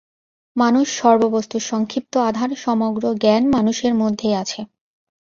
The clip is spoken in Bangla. মানুষ সর্ববস্তুর সংক্ষিপ্ত আধার, সমগ্র জ্ঞান মানুষের মধ্যেই আছে।